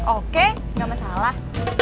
oke gak masalah